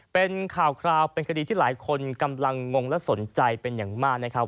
เป็นข่าวคราวเป็นคดีที่หลายคนกำลังงงและสนใจเป็นอย่างมากนะครับ